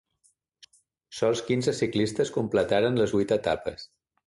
Sols quinze ciclistes completaren les vuit etapes.